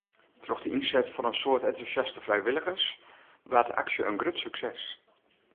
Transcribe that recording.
Troch de ynset fan in soad entûsjaste frijwilligers waard de aksje in grut sukses.